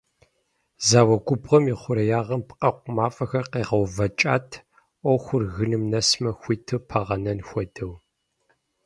Зауэ губгъуэм и хъуреягъым пкъэкъу мафӏэхэр къегъэувэкӏат, ӏуэхур гыным нэсмэ, хуиту пагъэнэн хуэдэу.